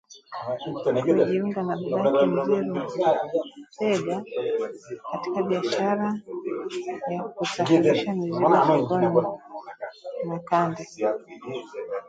kujiunga na babake Mzee Rubega katika biashara ya kusafirisha mizigo sokoni Makande